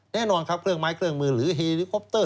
แน่นอนครับเครื่องไม้เครื่องมือหรือเฮลิคอปเตอร์